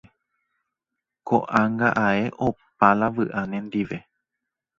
Ko'ág̃a ae opa la vy'a nendive.